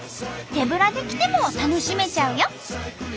手ぶらで来ても楽しめちゃうよ！